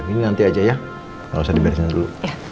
ini nanti aja ya gak usah dibersihkan dulu